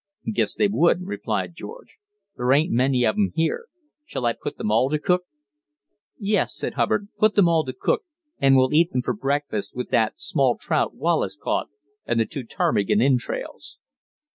"Guess they would," replied George. "There ain't many of 'em here. Shall I put them all to cook? "Yes," said Hubbard, "put them all to cook, and we'll eat them for breakfast with that small trout Wallace caught and the two ptarmigan entrails."